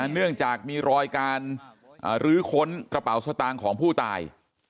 เนื่องจากมีรอยการลื้อค้นกระเป๋าสตางค์ของผู้ตาย